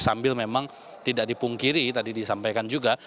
sambil memang tidak dipungkiri tadi disampaikan juga